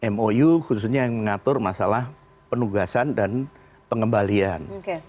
mou khususnya yang mengatur masalah penugasan dan pengembalian